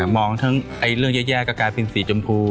มองทั้งเรื่องแย่ก็กลายเป็นสีชมพู